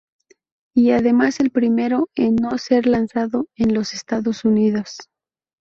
Y además el primero en no ser lanzado en los Estados Unidos.